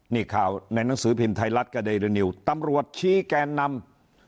นี่ข่าวในหนังสือพิมพ์ไทยรัฐกระเดรินิวตำรวจชี้แกนนำ